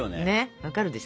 分かるでしょ？